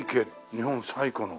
日本最古の。